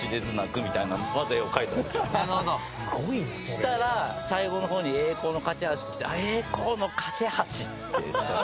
そしたら最後の方に「栄光の架橋」ってきて「あっ栄光の架橋！」ってした。